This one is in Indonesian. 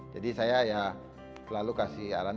jadi saya ya selalu kasih arahan